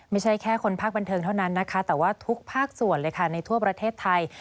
ไม่ใช่แค่คนภาคบันเทิงเท่านั้นนะคะแต่ว่าทุกภาคส่วนเลยค่ะในทั่วประเทศไทย